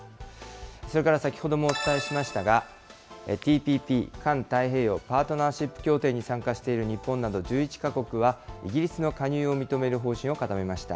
それから先ほどもお伝えしましたが、ＴＰＰ・環太平洋パートナーシップ協定に参加している日本など１１か国は、イギリスの加入を認める方針を固めました。